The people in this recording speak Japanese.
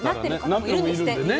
なってる方もいるんですって。